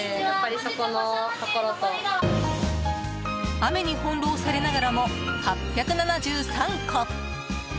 雨に翻弄されながらも８７３個。